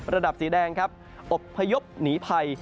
ระดับสีแดงครับอบพยพหนีภัย